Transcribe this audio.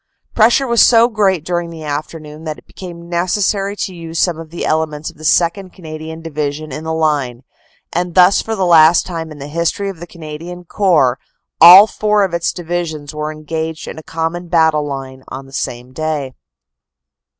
Pressure was so great during the afternoon that it became necessary to use some of the elements of the 2nd. Canadian Division in the line, and thus for the last time in the history of the Canadian Corps all four of its Divisions were engaged in a common battle line on the same day.